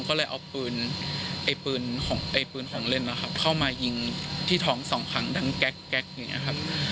ก็เลยเอาปืนของเล่นเข้ามายิงที่ท้อง๒ครั้งดังแก๊กอย่างนี้ครับ